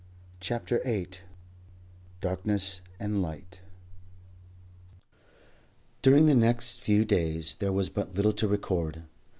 CHAPTER VIII DARKNESS AND LIGHT During the next few days there was but little to record.